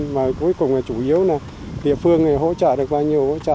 mà cuối cùng là chủ yếu là địa phương hỗ trợ được bao nhiêu hỗ trợ